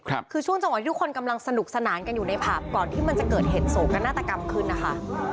คือช่วงจังหวะที่ทุกคนกำลังสนุกสนานกันอยู่ในผับก่อนที่มันจะเกิดเหตุโศกนาฏกรรมขึ้นนะคะ